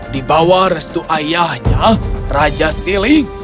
di bawah restu ayahnya raja siling